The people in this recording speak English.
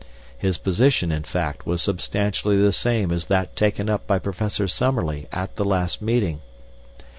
His position, in fact, was substantially the same as that taken up by Professor Summerlee at the last meeting.